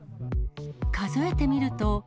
数えてみると。